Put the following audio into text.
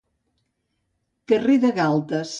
Carrer de galtes.